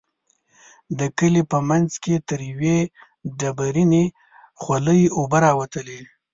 د کلي په منځ کې تر يوې ډبرينې خولۍ اوبه راوتلې.